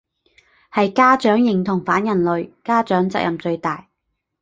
係家長認同反人類，家長責任最大